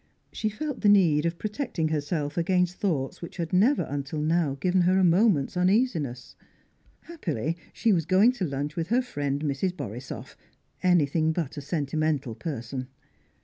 She felt the need of protecting herself against thoughts which had never until now given her a moment's uneasiness. Happily she was going to lunch with her friend Mrs. Borisoff, anything but a sentimental person.